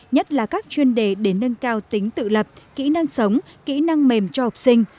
nhất là các chuyên đề để nâng cao tính tự lập kỹ năng sống kỹ năng mềm cho học sinh